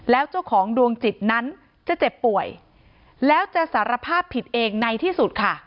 แล้วเจ้าของดวงจิตนั้นจะเจ็บป่วยแล้วจะสารภาพผิดเองในที่สุดค่ะ